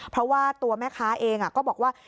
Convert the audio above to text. เพราะว่าตัวแม่ค้าเองก็บอกว่า